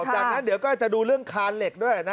จากนั้นเดี๋ยวก็จะดูเรื่องคานเหล็กด้วยนะ